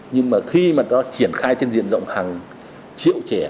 nhưng mà khi mà nó triển khai trên diện rộng hàng triệu trẻ